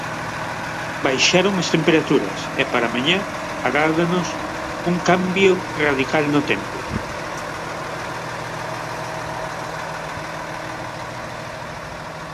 Baixaron as temperaturas e para mañá agárdanos un cambio radical no tempo.